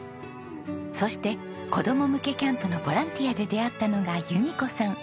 そして子供向けキャンプのボランティアで出会ったのが裕美子さん。